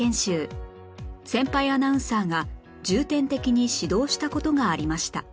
先輩アナウンサーが重点的に指導した事がありました